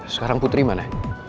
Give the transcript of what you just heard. sekarang putri mana